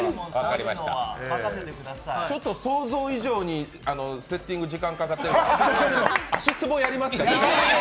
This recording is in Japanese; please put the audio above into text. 想像以上にセッティング、時間がかかっているんで足つぼやりますか？